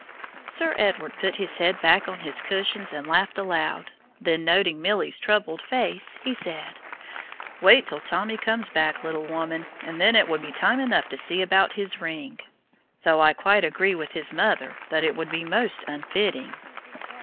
Sir Edward put his head back on his cushions and laughed aloud. Then, noting Milly's troubled face, he said: "Wait till Tommy comes back, little woman, and then it will be time enough to see about his ring, though I quite agree with his mother that it would be most unfitting."